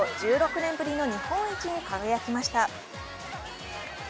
１６年ぶりの日本一に輝きました。